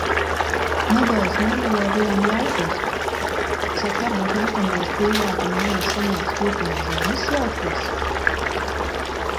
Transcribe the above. Nedēļas nogalē bijām laukos. Sak, varbūt nākamreiz Pīlādžu mājās sanāks būt vien Ziemassvētkos?